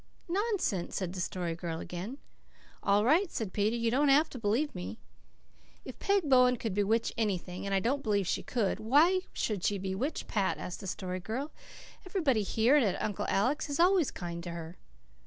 "Nonsense!" said the Story Girl again. "All right," said Peter. "You don't have to believe me." "If Peg Bowen could bewitch anything and I don't believe she could why should she bewitch Pat?" asked the Story Girl. "Everybody here and at Uncle Alec's is always kind to her."